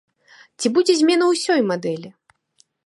Ці будзе змена ўсёй мадэлі?